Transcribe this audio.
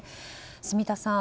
住田さん